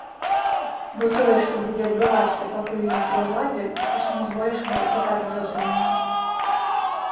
Бо тое, што будзе адбывацца, пакуль ён пры ўладзе, усім збольшага і так зразумела.